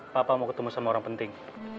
papa mau ketemu sama orang penting